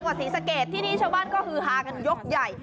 จังหวัดศรีสะเกตที่นี่ชาวบ้านก็คือฮากันยกใหญ่